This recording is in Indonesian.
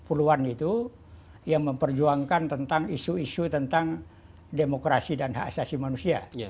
itu delapan puluh an itu yang memperjuangkan tentang isu isu tentang demokrasi dan hak asasi manusia